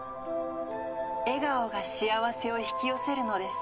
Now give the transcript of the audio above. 笑顔が幸せを引き寄せるのです。